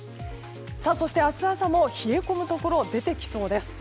そして、明日朝も冷え込むところ出てきそうです。